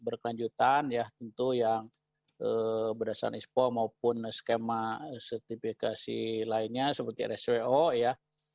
berkelanjutan ya tentu yang berdasarkan ispo maupun skema sertifikasi lainnya seperti rsco ya